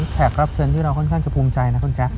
แขกรับเชิญที่เราค่อนข้างจะภูมิใจนะคุณแจ๊ค